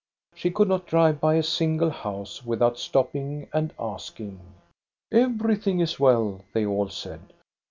She could not drive by a single house with out stopping and asking. Everything is well," they all said.